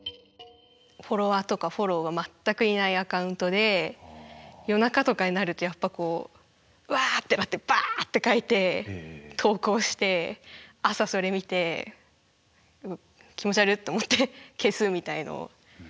フォロワーとかフォローが全くいないアカウントで夜中とかになるとやっぱこうウワー！ってなってバーって書いて投稿して朝それ見て気持ち悪って思って消すみたいのを繰り返してますね。